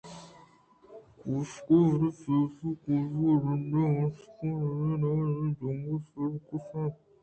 کا سگے پُرّے پِیش ءُ کانِزگ یک رَندے مُشک ءُ رِیژ گوکانی نیام ءَ مزنیں جنگے ءَ سرکشّ اِت